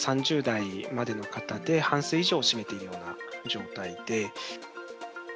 ３０代までの方で半数以上を占めているような状態で。